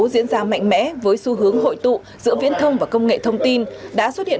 diễn ra mạnh mẽ với xu hướng hội tụ giữa viễn thông và công nghệ thông tin đã xuất hiện